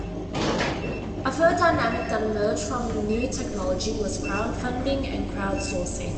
A third dynamic that emerged from new technology was crowd-funding and crowd-sourcing.